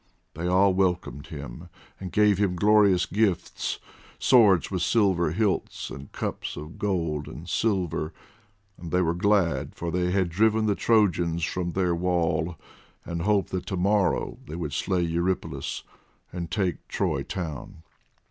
They all welcomed him, and gave him glorious gifts, swords with silver hilts, and cups of gold and silver, and they were glad, for they had driven the Trojans from their wall, and hoped that to morrow they would slay Eurypylus, and take Troy town.